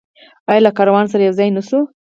آیا له کاروان سره یوځای نشو؟